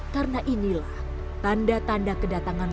karena inilah tanda tanda kedatangan